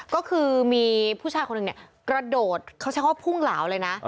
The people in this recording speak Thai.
ก็คือมีผู้ชายคนหนึ่งเนี่ยกระโดดเขาใช้คำว่าพุ่งเหลาเลยนะ